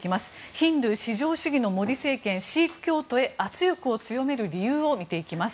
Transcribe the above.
ヒンドゥー至上主義のモディ首相シーク教徒へ圧力を強める理由を見ていきます。